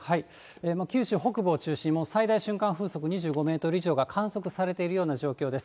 九州北部を中心に、最大瞬間風速２５メートル以上が観測されているような状況です。